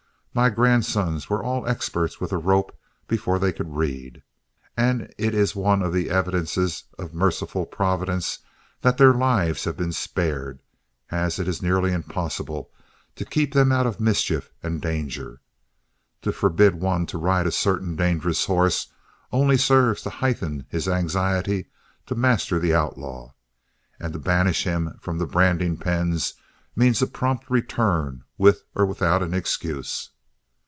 My grandsons were all expert with a rope before they could read, and it is one of the evidences of a merciful providence that their lives have been spared, as it is nearly impossible to keep them out of mischief and danger. To forbid one to ride a certain dangerous horse only serves to heighten his anxiety to master the outlaw, and to banish him from the branding pens means a prompt return with or without an excuse.